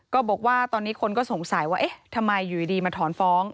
ก็บอกว่าตอนนี้คนก็สงสัยว่าเอ๊ะทำไมอยู่ดีมาถอนฟ้อง